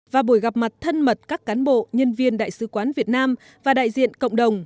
và buổi gặp mặt thân mật các cán bộ nhân viên đại sứ quán việt nam và đại diện cộng đồng